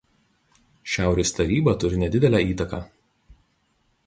Šiaurės Taryba turi nedidelę įtaką.